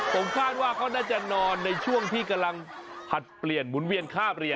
ผมคาดว่าเขาน่าจะนอนในช่วงที่กำลังผลัดเปลี่ยนหมุนเวียนค่าเรียน